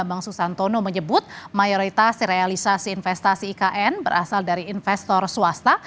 bambang susantono menyebut mayoritas realisasi investasi ikn berasal dari investor swasta